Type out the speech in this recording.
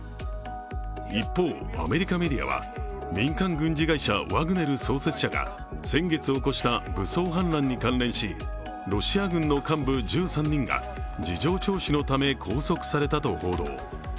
一方、アメリカメディアは民間軍事会社ワグネル創設者が先月起こした、武装反乱に関連しロシア軍の幹部１３人が事情聴取のため拘束されたと報道。